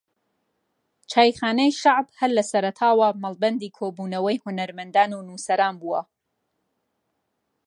چایخانەی شەعب ھەر لە سەرەتاوە مەڵبەندی کۆبونەوەی ھونەرمەندان و نووسەران بووە